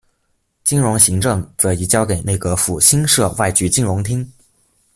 金融行政则移交给内阁府新设外局金融厅。